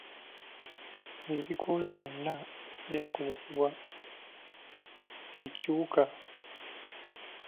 Ebikoola byonna byakosebwa ekiwuka.